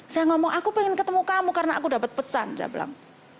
saya ngomong aku pengen ketemu kamu karena aku dapat pesan dia bilang